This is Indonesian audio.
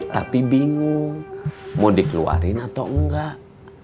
tapi bingung mau dikeluarin atau enggak